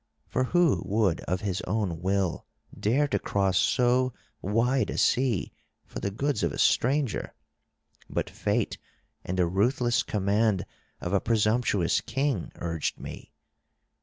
For who would of his own will dare to cross so wide a sea for the goods of a stranger? But fate and the ruthless command of a presumptuous king urged me.